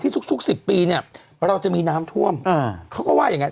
ทุก๑๐ปีเนี่ยเราจะมีน้ำท่วมเขาก็ว่าอย่างงั้น